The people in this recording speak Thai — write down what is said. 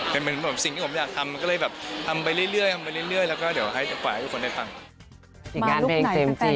เป็นสิ่งที่ผมอยากทำก็เลยแบบทำไปเรื่อยแล้วก็ให้ทุกคนได้ฟัง